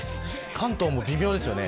関東も微妙ですよね。